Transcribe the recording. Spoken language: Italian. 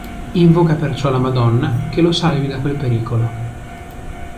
Invoca perciò la Madonna che lo salvi da quel pericolo.